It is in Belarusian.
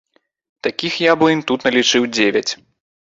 Такіх яблынь тут налічыў дзевяць.